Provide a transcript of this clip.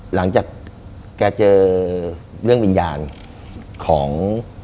หลังจากแกเจอเรื่องวิญญาณของ